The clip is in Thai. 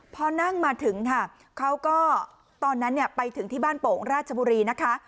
พอนั่งมาถึงค่ะเขาก็ตอนนั้นไปถึงที่บ้านโป่งราชบุรีนะคะ